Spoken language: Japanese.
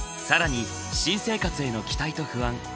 更に新生活への期待と不安